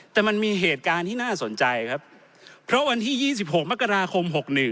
แต่มันมีเหตุการณ์ที่น่าสนใจครับเพราะวันที่๒๖มกราคม๖๑